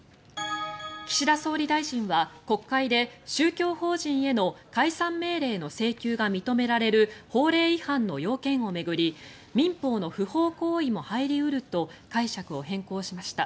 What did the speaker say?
岸田総理大臣は国会で宗教法人への解散命令の請求が認められる法令違反の要件を巡り民法の不法行為も入り得ると解釈を変更しました。